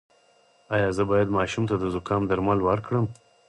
ایا زه باید ماشوم ته د زکام درمل ورکړم؟